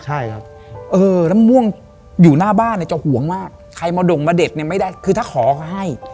แล้วมะม่วงอยู่หน้าบ้านจะห่วงมากใครมาด่งมาเด็ดไม่ได้ถ้าขอเขาให้